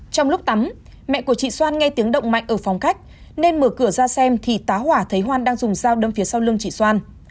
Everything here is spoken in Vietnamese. trong lúc tắm mẹ của chị xoan nghe tiếng động mạnh ở phòng cách nên mở cửa ra xem thì tá hỏa thấy hoan đang dùng dao đâm phía sau lưng chị xoan